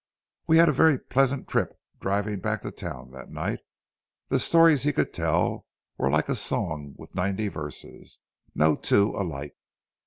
"We had a very pleasant trip driving back to town that night. The stories he could tell were like a song with ninety verses, no two alike.